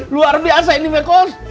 luar biasa ini meh kos